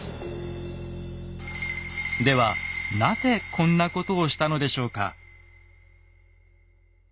ではなぜこんなことをしたのでしょうか？